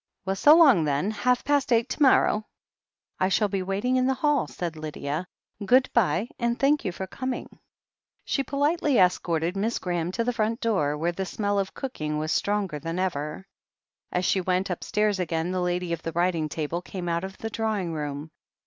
Well, so long then. Half past eight to morrow." "I shall be waiting in the hall," said Lydia. "Good bye, and thank you for coming." She politely escorted Miss Graham to the front door, where the smell of cooking was stronger than ever. As she went upstairs again, the lady of the writing' table came out of the drawing room.